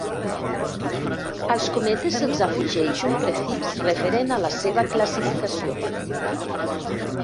Als cometes se'ls afegeix un prefix referent a la seva classificació.